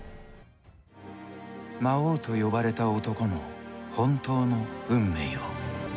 魔王と呼ばれた男の本当の運命を。